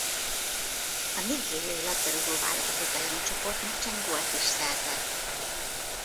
A nigériai labdarúgó-válogatott elleni csoportmeccsen gólt is szerzett.